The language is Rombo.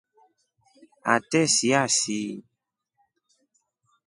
Ate siasii.